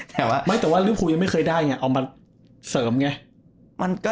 แต่ว่าดิวพูดครูมาไม่เคยได้ไงเนี่ยเอามัดเสริมไง